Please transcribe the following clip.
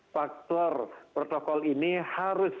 faktor protokol ini harus